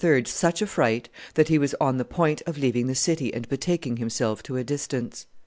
such a fright that he was on the point of leaving the city and betaking himself to a distance.